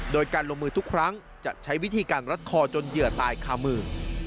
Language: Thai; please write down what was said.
โดยการลงมือทุกครั้งจะใช้วิธีการรัดคอจนเหยื่อตายคามือ